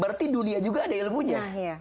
berarti dunia juga ada ilmunya